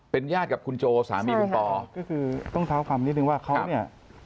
ญาติกับคุณโจสามีคุณปอก็คือต้องเท้าความนิดนึงว่าเขาเนี่ย